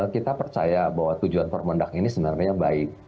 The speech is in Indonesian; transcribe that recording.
kita percaya bahwa tujuan permendak ini sebenarnya baik